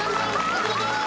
お見事！